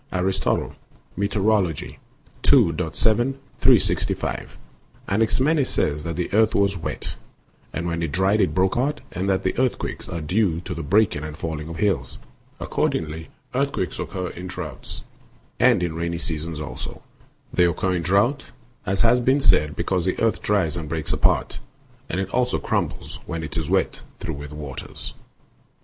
Arist. Meteor. ii. 7; 365 (a 17),b 6. Anaximenes says that the earth was wet, and when it dried it broke apart, and that earthquakes are due to the breaking and falling of hills; accordingly earthquakes occur in droughts, and in rainy seasons also; they occur in drought, as has been said, because the earth dries and breaks apart, and it also crumbles when it is wet through with waters.